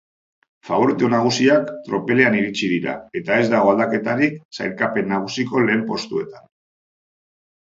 Faborito nagusiak tropelean iritsi dira eta ez dago aldaketarik sailkapen nagusiko lehen postuetan.